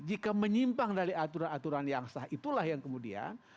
jika menyimpang dari aturan aturan yang sah itulah yang kemudian